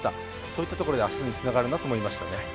そういったところで明日につながるなと思いましたね。